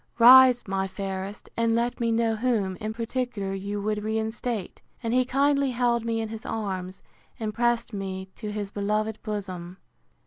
Rise, my fairest, and let me know whom, in particular, you would reinstate; and he kindly held me in his arms, and pressed me to his beloved bosom.